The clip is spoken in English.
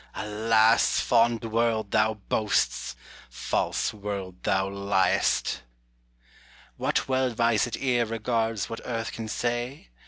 Alas! fond world, thou boasts; false world, thou ly'st. What well advisèd ear regards What earth can say?